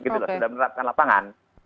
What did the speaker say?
sudah menerapkan lapangan